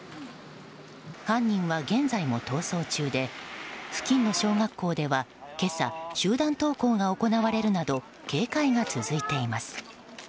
犯人は現在も逃走中で付近の小学校では今朝、集団登校が行われるなど警戒が続いています。